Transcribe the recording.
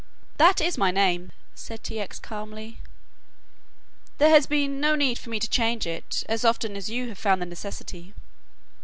"That is my name," said T. X. calmly. "There has been, no need for me to change it as often as you have found the necessity."